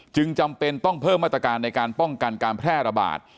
จำเป็นต้องเพิ่มมาตรการในการป้องกันการแพร่ระบาด